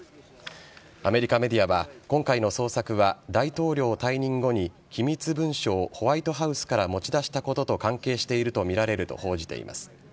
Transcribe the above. アメリカメディアは今回の捜索は大統領退任後に、機密文書をホワイトハウスから持ち出したことと考えてしていると見られると報じています。